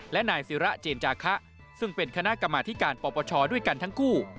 และนายศิระเจนจาคะซึ่งเป็นคณะกรรมาธิการปปชด้วยกันทั้งคู่